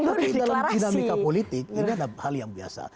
tapi dalam dinamika politik ini adalah hal yang biasa